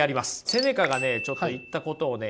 セネカがねちょっと言ったことをね